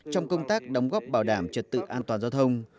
trong công tác đóng góp bảo đảm trật tự an toàn giao thông